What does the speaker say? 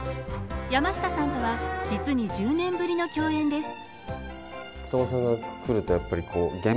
山下さんとは実に１０年ぶりの共演です。